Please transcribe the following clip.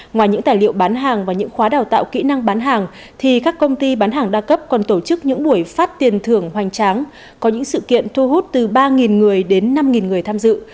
ngoài những tài liệu bán hàng và những khóa đào tạo kỹ năng bán hàng thì các công ty bán hàng đa cấp còn tổ chức những buổi phát tiền thưởng hoành tráng có những sự kiện thu hút từ ba người đến năm người tham dự